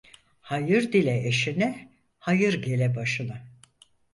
Hayır dile eşine, hayır gele başına.